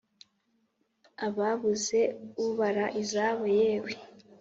Ababuze ubara izabo, Yewe,